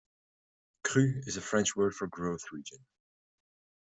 Cru is a French word for Growth Region.